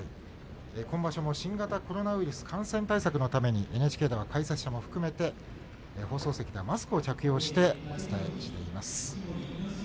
今場所も新型コロナウイルス感染対策のためＮＨＫでは解説者も含めて放送席ではマスクを着用してお伝えしています。